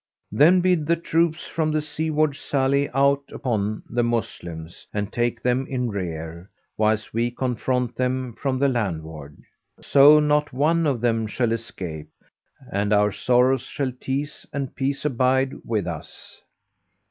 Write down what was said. Then bid the troops from the seaward sally out upon the Moslems and take them in rear, whilst we confront them from the landward. So not one of them shall escape, and our sorrows shall tease and peace abide with us."